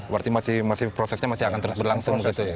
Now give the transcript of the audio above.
berarti masih prosesnya masih akan terus berlangsung begitu